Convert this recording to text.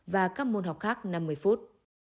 và các môn học khác năm mươi phút